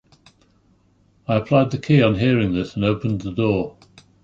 I applied the key on hearing this and opened the door.